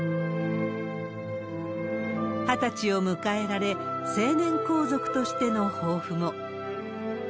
２０歳を迎えられ、成年皇族としての抱負も。